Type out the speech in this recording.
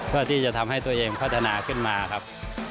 เพื่อที่จะทำให้ตัวเองพัฒนาขึ้นมาครับ